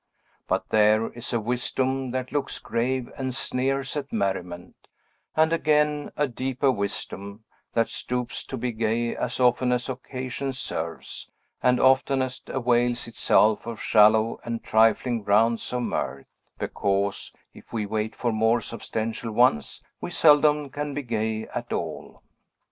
But there is a wisdom that looks grave, and sneers at merriment; and again a deeper wisdom, that stoops to be gay as often as occasion serves, and oftenest avails itself of shallow and trifling grounds of mirth; because, if we wait for more substantial ones, we seldom can be gay at all.